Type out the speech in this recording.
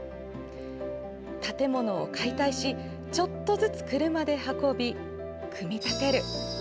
建物を解体し、ちょっとずつ車で運び、組み立てる。